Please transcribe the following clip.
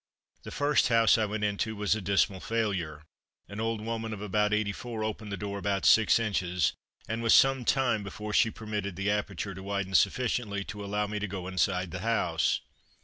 The first house I went into was a dismal failure. An old woman of about 84 opened the door about six inches, and was some time before she permitted the aperture to widen sufficiently to allow me to go inside the house.